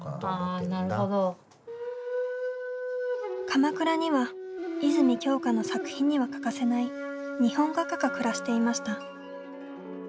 鎌倉には泉鏡花の作品には欠かせない日本画家が暮らしていました。